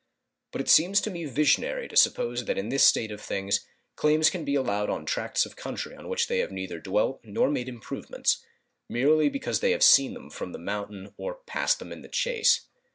But it seems to me visionary to suppose that in this state of things claims can be allowed on tracts of country on which they have neither dwelt nor made improvements, merely because they have seen them from the mountain or passed them in the chase.